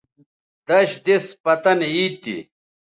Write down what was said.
دش دِس پتن عید تھی